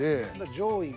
上位が。